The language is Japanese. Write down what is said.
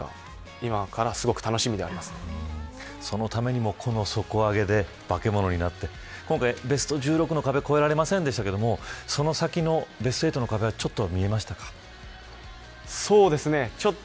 今からそのためにも、この底上げで化け物になって今回ベスト１６の壁越えられませんでしたけどその先のベスト８の壁はそうですね。